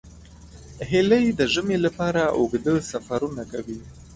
هیلۍ د ژمي لپاره اوږده سفرونه کوي